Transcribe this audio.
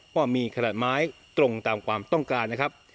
ก็มีขนาดไม้ตรงตามความต้องการนะครับ